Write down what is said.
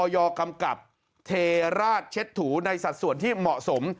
กำกับเทราชเช็ดถูในสัดส่วนที่เหมาะสม